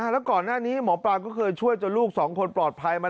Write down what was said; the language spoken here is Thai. แล้วก่อนหน้านี้หมอปลาก็เคยช่วยจนลูกสองคนปลอดภัยมา